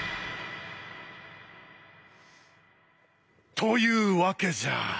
というわけじゃ。